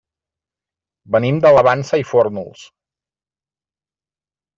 Venim de la Vansa i Fórnols.